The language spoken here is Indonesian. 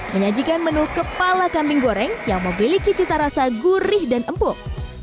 menyajikan menu kepala kambing goreng yang memiliki cita rasa gurih dan empuk